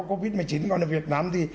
covid một mươi chín còn ở việt nam thì